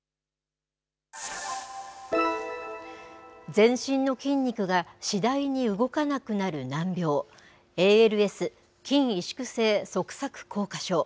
全身の筋肉が次第に動かなくなる難病、ＡＬＳ・筋萎縮性側索硬化症。